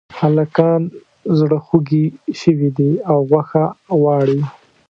هلکان زړخوږي شوي دي او غوښه غواړي